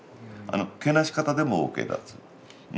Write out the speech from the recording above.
けなし方でもＯＫだっていう。